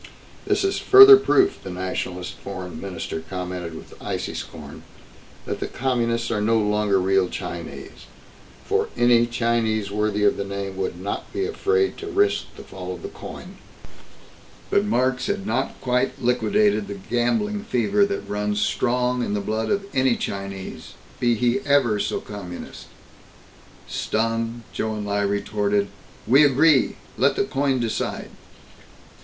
"This is further proof," the Nationalist Foreign Minister commented with icy scorn, "that the Communists are no longer real Chinese. For any Chinese worthy of the name would not be afraid to risk the fall of the coin." But Marx had not quite liquidated the gambling fever that runs strong in the blood of any Chinese, be he ever so Communist. Stung, Chou En Lai retorted: "We agree! Let the coin decide!"